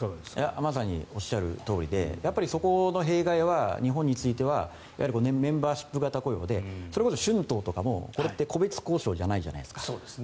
まさにおっしゃるとおりでそこの弊害は日本についてはメンバーシップ型雇用でそれこそ春闘とかもこれって個別交渉じゃないじゃないですか。